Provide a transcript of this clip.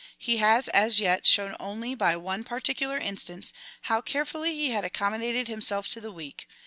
He has as yet shown only by one particular instance how carefully he had accommodated himself to the weak.